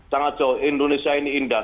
sangat jauh indonesia ini indah